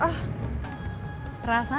kamu selamat kamu selamat kamu selamat